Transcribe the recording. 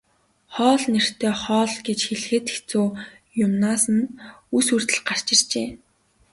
Хоол нэртэй хоол гэж хэлэхэд хэцүүхэн юмнаас нь үс хүртэл гарч иржээ.